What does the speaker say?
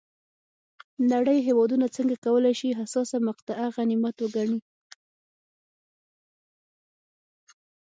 نړۍ هېوادونه څنګه کولای شي حساسه مقطعه غنیمت وګڼي.